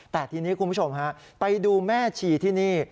แต่ทีนี้คุณผู้ชมฮะไปดูแม่ชีที่นี่